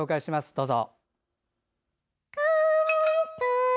どうぞ。